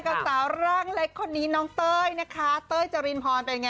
กับสาวร่างเล็กคนนี้น้องเต้ยนะคะเต้ยจรินพรเป็นไง